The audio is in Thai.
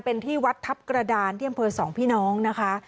เป็นที่วัดทัพกระดานที่อำเภอสองพี่น้องนะคะ